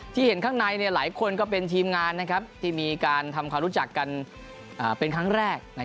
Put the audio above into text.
เห็นข้างในหลายคนก็เป็นทีมงานที่มีการทำความรู้จักกันเป็นครั้งแรก